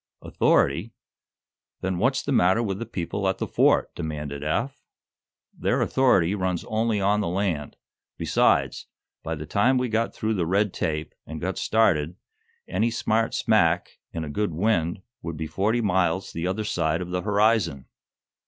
"Authority? Then what's the matter with the people at the Fort?" demanded Eph. "Their authority runs only on the land. Besides, by the time we got through the red tape, and got started, any smart smack, in a good wind, would be forty miles the other side of the horizon."